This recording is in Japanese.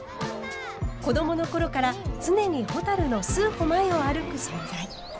子どもの頃から常にほたるの数歩前を歩く存在。